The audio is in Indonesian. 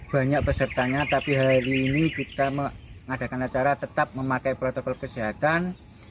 banyak pesertanya tapi hari ini kita mengadakan acara tetap memakai protokol kesehatan